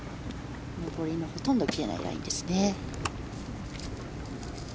これはほとんど切れないラインですね。